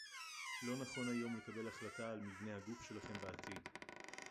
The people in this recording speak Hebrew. לא נכון היום לקבל החלטה על מבנה הגוף שלכם בעתיד